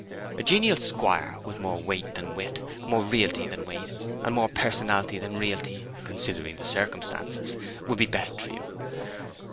A genial squire, with more weight than wit, more realty than weight, and more personalty than realty (considering the circumstances), would be best for you.